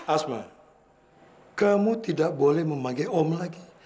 asma kamu tidak boleh memakai om lagi